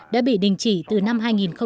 đã bị đình chỉ từ năm hai nghìn một mươi